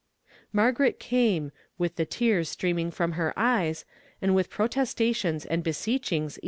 iNIargaret came, with the tears streaming from lier eyes, and with protestations and beseecliin<vs